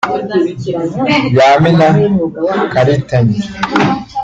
Yamina Karitanyi